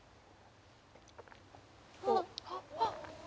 おっあっ